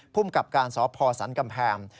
พุ่มกับการสอบพอสันกำแพง